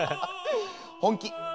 本気！